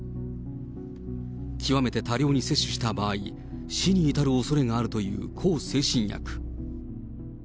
極めて多量に摂取した場合、死に至るおそれがあるという向精神薬。